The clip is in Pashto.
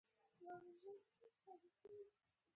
دا لیکنه د یاګانو د زده کړې نوې لار وړاندې کوي